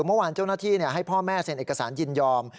เมื่อวานเจ้าหน้าที่ให้พ่อแม่เซ็นเอกสารยินยอม